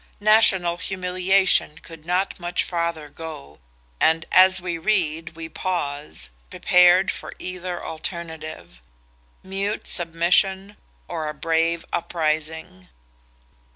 National humiliation could not much farther go, and as we read we pause, prepared for either alternative—mute submission or a brave uprising.